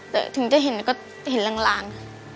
แต่ถึงจะเห็นก็เห็นลาง